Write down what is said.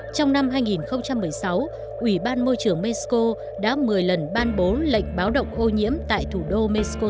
trong năm hai nghìn một mươi sáu ủy ban môi trường mexico đã một mươi lần ban bố lệnh báo động ô nhiễm tại thủ đô mexico